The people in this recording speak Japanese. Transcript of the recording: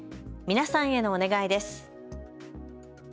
皆さんへのお願いです。